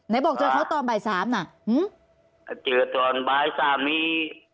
บอกเจอเขาตอนบ่ายสามน่ะอืมอ่าเจอตอนบ่ายสามี